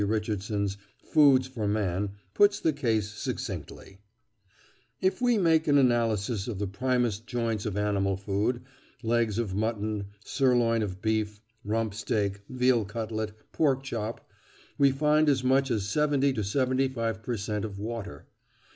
Richardson's "Foods for Man" puts the case succinctly: "If we make an analysis of the primest joints of animal food, legs of mutton, sirloin of beef, rump steak, veal cutlet, pork chop, we find as much as 70 to 75 per cent. of water....